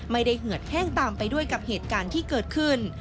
เหือดแห้งตามไปด้วยกับเหตุการณ์ที่เกิดขึ้น